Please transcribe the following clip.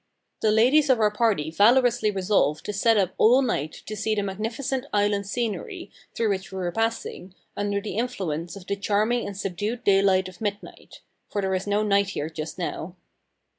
The ladies of our party valorously resolved to sit up all night to see the magnificent island scenery, through which we were passing under the influence of the charming and subdued daylight of midnight for there is no night here just now.